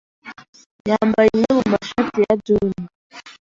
yambaye imwe mu mashati ya John.